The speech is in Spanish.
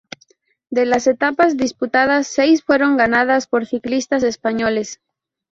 De las etapas disputadas, seis fueron ganadas por ciclistas españoles.